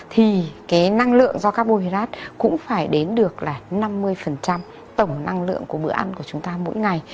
thì cái năng lượng do cabo hydrat cũng phải đến được là năm mươi tổng năng lượng của bữa ăn của chúng ta mỗi ngày